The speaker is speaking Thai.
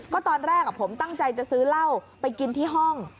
ก็ตอนแรกผมตั้งใจจะซื้อเหล้าไปกินที่ห้อง